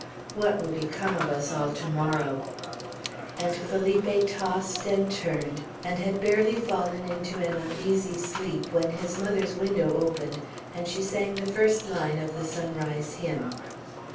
What will become of us all to morrow!" And Felipe tossed and turned, and had barely fallen into an uneasy sleep, when his mother's window opened, and she sang the first line of the sunrise hymn.